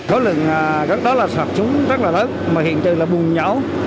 có lượng các đó là sạt chúng rất là lớn mà hiện trời là bùng nhỏ